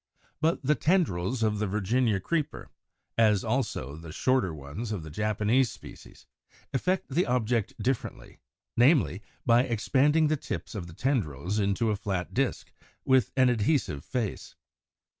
But the tendrils of the Virginia Creeper (Ampelopsis, Fig. 93), as also the shorter ones of the Japanese species, effect the object differently, namely, by expanding the tips of the tendrils into a flat disk, with an adhesive face.